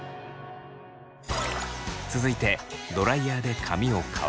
続いてドライヤーで髪を乾かします。